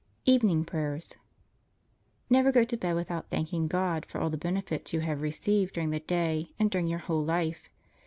EVENING PRAYERS Never go to bed without thanking God for all the benefits you have received during the day and during your whole life.